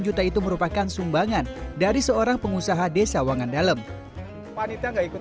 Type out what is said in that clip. juta itu merupakan sumbangan dari seorang pengusaha desa uangan dalem panitia gak ikut